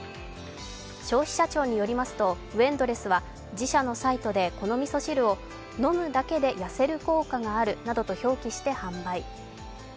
消費者庁によりますとＷ−ＥＮＤＬＥＳＳは自社のサイトでこのみそ汁を、飲むだけで痩せる効果があるとして販売。